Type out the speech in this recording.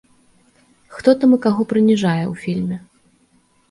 Хто там і каго прыніжае ў фільме?